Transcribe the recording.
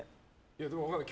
でも、分かんない。